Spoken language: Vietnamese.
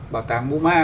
bảo tàng moma